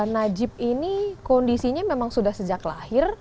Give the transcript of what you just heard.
najib ini kondisinya memang sudah sejak lahir